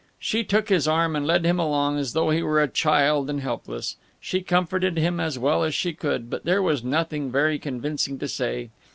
She took his arm and led him along, as though he were a child and helpless. She comforted him as well as she could, but there was nothing very convincing to say.